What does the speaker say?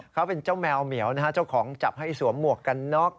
เขาเป็นเจ้าแมวเหมียวนะฮะเจ้าของจับให้สวมหมวกกันน็อก